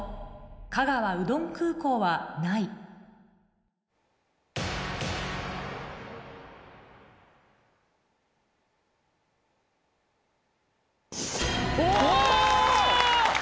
「香川うどん空港」はないわぁ！